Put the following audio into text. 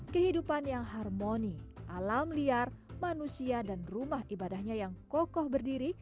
kehidupan yang harmoni alam liar manusia dan rumah ibadahnya yang kokoh berdiri